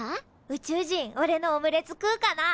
宇宙人おれのオムレツ食うかな？